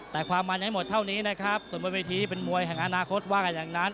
แต่ความมันให้หมดเท่านี้นะครับส่วนบนเวทีเป็นมวยแห่งอนาคตว่ากันอย่างนั้น